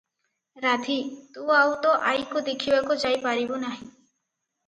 ରାଧୀ, ତୁ ଆଉ ତୋ ଆଈକୁ ଦେଖିବାକୁ ଯାଇ ପାରିବୁ ନାହିଁ ।